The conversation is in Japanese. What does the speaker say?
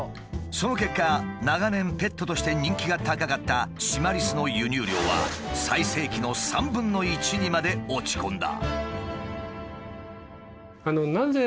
その結果長年ペットとして人気が高かったシマリスの輸入量は最盛期の３分の１にまで落ち込んだ。